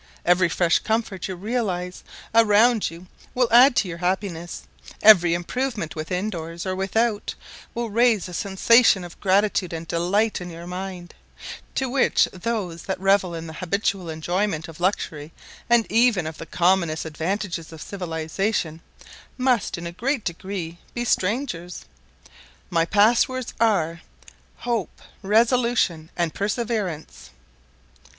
Every fresh comfort you realize around you will add to your happiness; every improvement within doors or without will raise a sensation of gratitude and delight in your mind, to which those that revel in the habitual enjoyment of luxury, and even of the commonest advantages of civilization, must in a great degree be strangers. My pass words are, 'Hope! Resolution! and Perseverance!'"